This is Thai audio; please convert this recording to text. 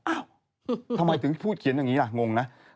ทำไมถึงพูดเขียนอย่างนี้ล่ะงงนะ